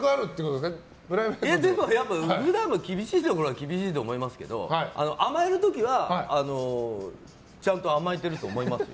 でもやっぱり普段も厳しいところは厳しいと思いますけど甘える時はちゃんと甘えていると思いますよ。